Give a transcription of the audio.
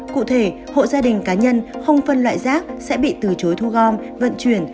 cụ thể hộ gia đình cá nhân không phân loại rác sẽ bị từ chối thu gom vận chuyển